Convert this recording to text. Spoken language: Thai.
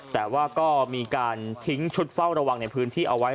แต่ว่าก็มีการทิ้งชุดเฝ้าระวังในพื้นที่เอาไว้